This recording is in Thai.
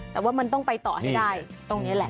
แต่ว่ามันต้องไปต่อให้ได้ตรงนี้แหละ